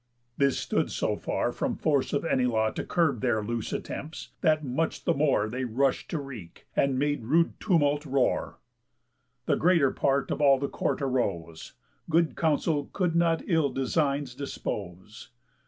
This stood so far from force of any law To curb their loose attempts, that much the more They rush'd to wreak, and made rude tumult roar. The greater part of all the court arose; Good counsel could not ill designs dispose.